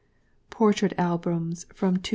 PORTRAIT ALBUMS, from 2s.